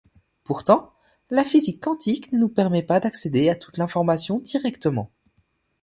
Pourtant, la physique quantique ne nous permet pas d'accéder à toute l'information directement.